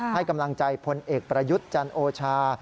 ให้กำลังใจพลเอกประยุทธ์จันโอชา